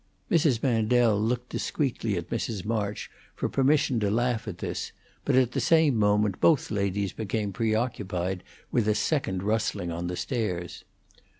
Mrs. Mandel looked discreetly at Mrs. March for permission to laugh at this, but at the same moment both ladies became preoccupied with a second rustling on the stairs.